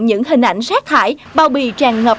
những hình ảnh rác thải bao bì tràn ngọp